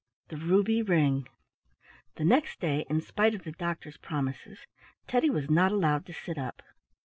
THE RUBY RING The next day, in spite of the doctor's promises, Teddy was not allowed to sit up.